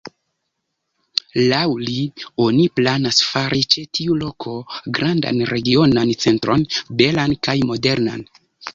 Laŭ li, oni planas fari ĉe tiu loko grandan regionan centron, belan kaj modernan.